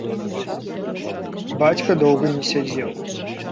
Бацька доўга не сядзеў.